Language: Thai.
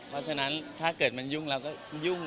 เพราะฉะนั้นถ้าเกิดมันยุ่งเราก็ยุ่ง